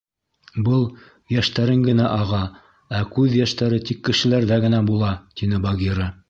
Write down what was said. Был — йәштәрең генә аға, ә күҙ йәштәре тик кешеләрҙә генә була, — тине Багира.